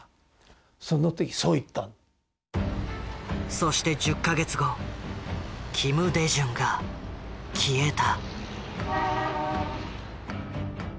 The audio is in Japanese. そして１０か月後金大中が消えた。